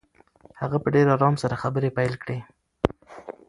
هغه په ډېر آرام سره خبرې پیل کړې.